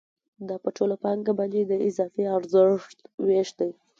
دا په ټوله پانګه باندې د اضافي ارزښت وېش دی